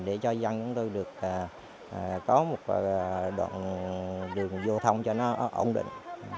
để cho dân chúng tôi được có một đoạn đường giao thông cho nó ổn định